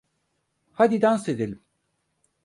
Hadi dans edelim.